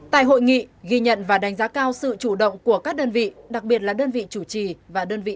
tại hội nghị ghi nhận và đánh giá cao sự chủ động của các đơn vị đặc biệt là đơn vị chủ trì và đơn vị